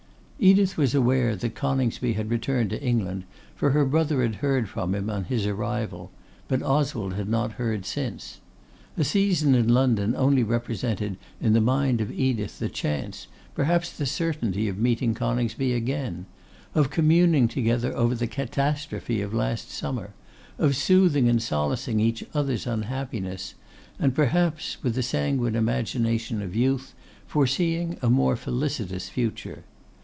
Edith was aware that Coningsby had returned to England, for her brother had heard from him on his arrival; but Oswald had not heard since. A season in London only represented in the mind of Edith the chance, perhaps the certainty, of meeting Coningsby again; of communing together over the catastrophe of last summer; of soothing and solacing each other's unhappiness, and perhaps, with the sanguine imagination of youth, foreseeing a more felicitous future.